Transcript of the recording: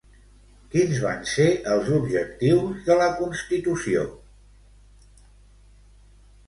Quins van ser els objectius de la Constitució?